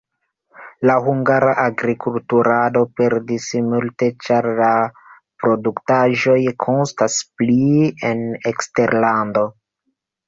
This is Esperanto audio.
La hungara agrikulturado perdis multe, ĉar la produktaĵoj kostas pli en eksterlando.